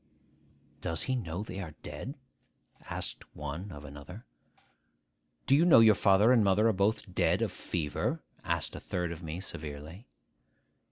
'Does he know they are dead?' asked one of another. 'Do you know your father and mother are both dead of fever?' asked a third of me severely.